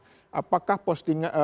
apakah berangkat haji diposting itu positif